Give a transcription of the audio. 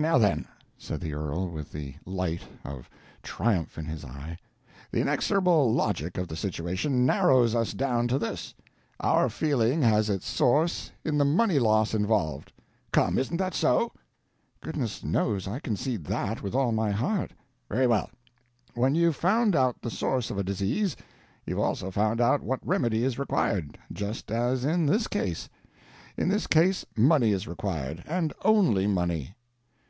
Now then," said the earl, with the light of triumph in his eye, "the inexorable logic of the situation narrows us down to this: our feeling has its source in the money loss involved. Come—isn't that so?" "Goodness knows I concede that, with all my heart." "Very well. When you've found out the source of a disease, you've also found out what remedy is required—just as in this case. In this case money is required. And only money."